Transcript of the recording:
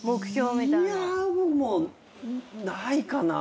いや僕もうないかな。